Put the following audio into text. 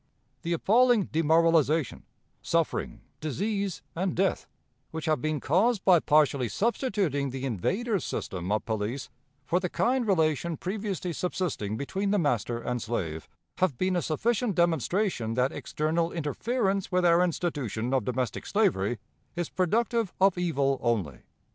The appalling demoralization, suffering, disease, and death, which have been caused by partially substituting the invaders' system of police for the kind relation previously subsisting between the master and slave, have been a sufficient demonstration that external interference with our institution of domestic slavery is productive of evil only.